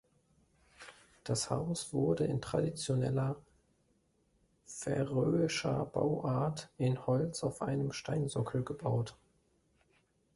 Das Haus wurde in traditioneller, färöischer Bauart in Holz auf einem Steinsockel gebaut.